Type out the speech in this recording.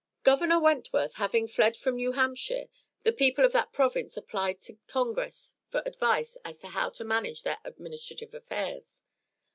Governor Wentworth having fled from New Hampshire, the people of that province applied to congress for advice as to how to manage their administrative affairs.